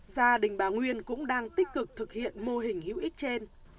gia đình bà nguyên cũng đang tích cực thực hiện mô hình hữu ích trên